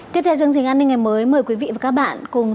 tiếp theo chương trình an ninh ngày mới mời quý vị và các bạn cùng chú ý